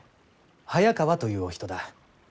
早川というお人だ。